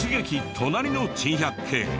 隣の珍百景。